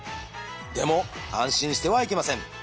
でも安心してはいけません。